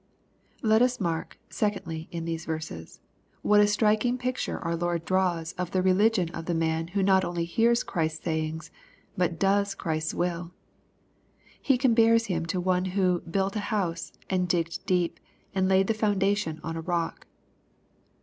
Let us mark, secondly, in these verses, what a striking picture our Lord draws of the religion of the man. who not only hears Christ's sayings, but does Christ's will. He compares him to one who " built a house, and digged deep, and laid the foundation on a rock."